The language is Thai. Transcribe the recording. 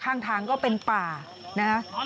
ข้างทางก็เป็นป่านะฮะ